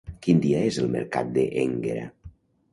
Quin dia és el mercat de Énguera?